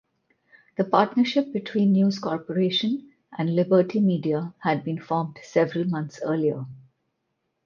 The partnership between News Corporation and Liberty Media had been formed several months earlier.